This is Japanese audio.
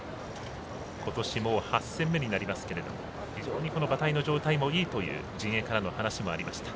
今年もう８戦目になりますけど非常に馬体の状態もいいという陣営からの話もありました。